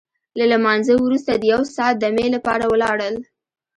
له لمانځه وروسته د یو ساعت دمې لپاره ولاړل.